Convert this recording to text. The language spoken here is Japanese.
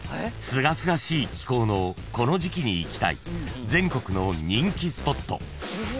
［すがすがしい気候のこの時季に行きたい全国の人気スポット］